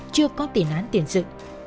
chưa có tỉ nán tiền sự